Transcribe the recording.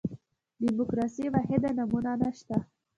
دیموکراسي واحده نمونه نه شته.